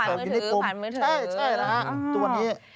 ผ่านมือถือผ่านมือถือใช่แล้วตัวนี้อ้าว